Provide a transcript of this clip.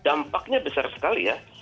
dampaknya besar sekali ya